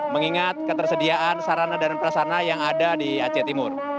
mengingat ketersediaan sarana dan prasarana yang ada di aceh timur